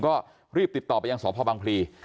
ก็รีบติดต่อไปยังสพบังพลี